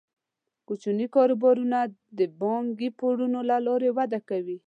کوچني کاروبارونه د بانکي پورونو له لارې وده کوي.